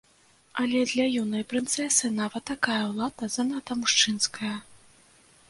Але для юнай прынцэсы нават такая ўлада занадта мужчынская.